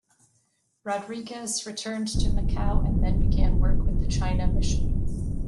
Rodrigues returned to Macao and then began work with the China mission.